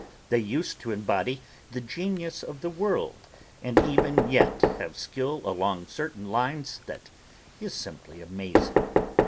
They used to embody the genius of the world and even yet have skill along certain lines that is simply amazing.